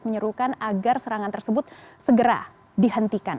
menyerukan agar serangan tersebut segera dihentikan